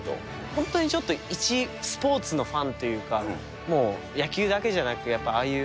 本当にちょっといちスポーツのファンというか、もう野球だけじゃなく、ああいう